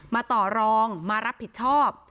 ต่อรองมารับผิดชอบ